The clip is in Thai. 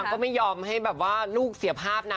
ก็ไม่ยอมให้แบบว่าลูกเสียภาพนะ